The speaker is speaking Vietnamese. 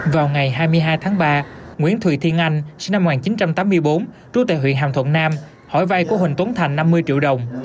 vào ngày hai mươi hai tháng ba nguyễn thùy thiên anh sinh năm một nghìn chín trăm tám mươi bốn trú tại huyện hàm thuận nam hỏi vay của huỳnh tuấn thành năm mươi triệu đồng